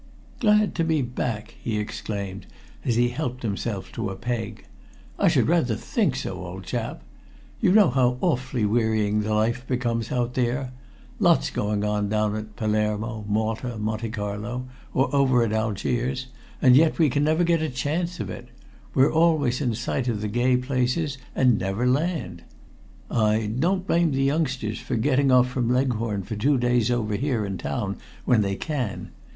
"Glad to be back!" he exclaimed, as he helped himself to a "peg." "I should rather think so, old chap. You know how awfully wearying the life becomes out there. Lots going on down at Palermo, Malta, Monte Carlo, or over at Algiers, and yet we can never get a chance of it. We're always in sight of the gay places, and never land. I don't blame the youngsters for getting off from Leghorn for two days over here in town when they can.